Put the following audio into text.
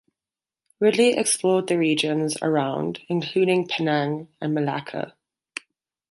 Ridley explored the regions around including Penang and Malacca.